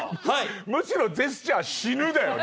むしろジェスチャー「死ぬ」だよね。